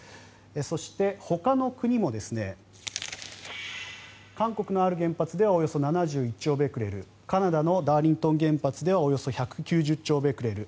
そして、ほかの国も韓国のある原発ではおよそ７１兆ベクレルカナダのダーリントン原発ではおよそ１９０兆ベクレル